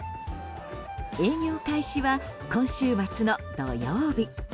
営業開始は今週末の土曜日。